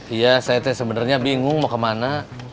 iya saya sebenernya bingung mau kemana